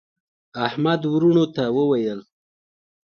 احمد وروڼو ته وویل: